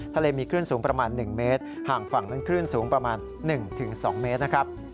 ทะเลมีคลื่นสูงประมาณ๑เมตรห่างฝั่งนั้นคลื่นสูงประมาณ๑๒เมตรนะครับ